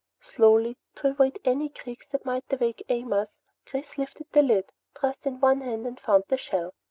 Slowly, to avoid any creaks that might awake Amos, Chris lifted the lid, thrust in one hand and found the shell.